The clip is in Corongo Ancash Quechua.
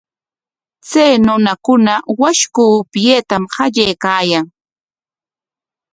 Chay runakuna washku upyayta qallaykaayan.